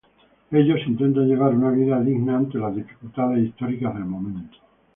Ellos intentan llevar una vida digna ante las dificultades históricas del momento.